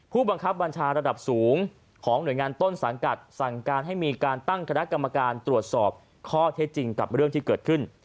ผู้บังคับบัญชาระดับสูงของหน่วยงานต้นสังกัดสั่งการให้มีการตั้งคณะกรรมการตรวจสอบข้อเท็จจริงกับเรื่องที่เกิดขึ้น